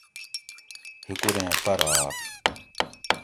ہِیکوریں پرہار